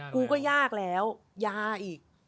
กูก็ยากแล้วยาอีก